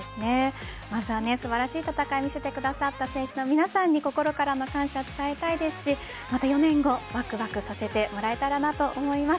まずは素晴らしい戦いを見せてくださった選手の皆さんに心からの感謝を伝えたいですしまた４年後わくわくさせてもらえたらなと思います。